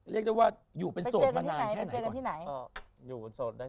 เรียกได้ว่าอยู่เป็นโสดมานานแค่ไหน